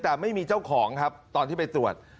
แต่ไม่มีเจ้าของครับตอนที่ไปตรวจ